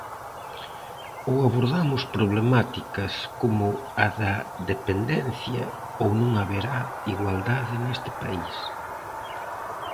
Ou abordamos problemáticas como a da dependencia ou non haberá igualdade neste país.